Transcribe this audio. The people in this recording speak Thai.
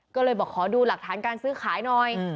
หรือบอกขอดูหลักฐานการซื้อขายน้อย